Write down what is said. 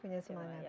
punya semangat ya